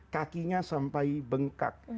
kakinya sampai bengkak